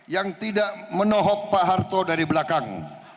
yang tidak menohok pak harto dari belakang